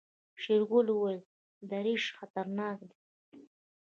شېرګل وويل دريشي خطرناکه ده.